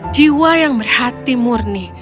jiwa yang berhati murni